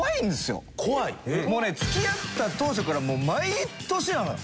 もうね付き合った当初から毎年なのよ！